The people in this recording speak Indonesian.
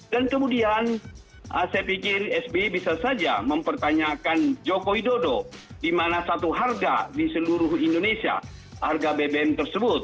dan kemudian saya pikir sby bisa saja mempertanyakan jokowi dodo di mana satu harga di seluruh indonesia harga bbm tersebut